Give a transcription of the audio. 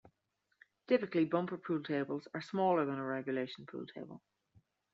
Typically bumper pool tables are smaller than a regulation pool table.